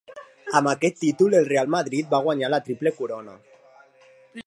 Amb aquest títol, el Real Madrid va guanyar la triple corona.